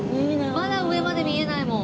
まだ上まで見えないもん。